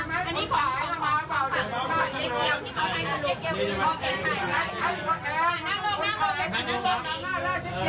ไม่ไม่เป็นเกี่ยวกับเพราะว่าอันนี้คือแม่ท้าเนี่ย